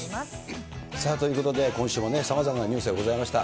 ということで、今週もさまざまがニュースがございました。